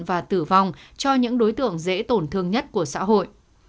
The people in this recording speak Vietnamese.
và tử vong cho những đối tượng dễ tổn thương nhất của xã hội